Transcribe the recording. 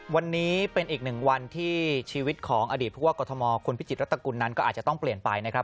วันนี้เป็นอีกหนึ่งวันที่ชีวิตของอดีตผู้ว่ากรทมคุณพิจิตรัตกุลนั้นก็อาจจะต้องเปลี่ยนไปนะครับ